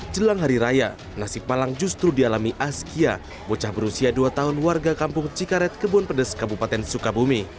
jelang hari raya nasib malang justru dialami askia bocah berusia dua tahun warga kampung cikaret kebun pedes kabupaten sukabumi